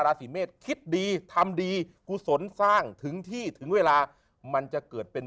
ราศีเมษคิดดีทำดีกุศลสร้างถึงที่ถึงเวลามันจะเกิดเป็น